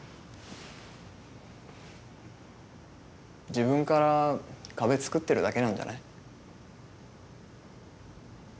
自分から壁つくってるだけなんじゃない？